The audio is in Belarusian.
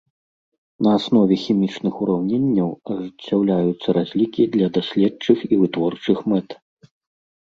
На аснове хімічных ураўненняў ажыццяўляюцца разлікі для даследчых і вытворчых мэт.